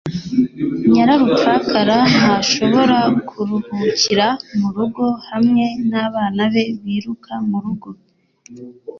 Nyararupfakara ntashobora kuruhukira murugo hamwe nabana be biruka murugo.